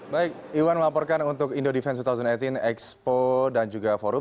baik iwan melaporkan untuk indo defense dua ribu delapan belas expo dan juga forum